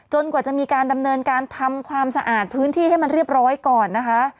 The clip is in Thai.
กว่าจะมีการดำเนินการทำความสะอาดพื้นที่ให้มันเรียบร้อยก่อนนะคะ